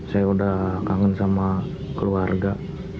saya udah kangen sama keluarga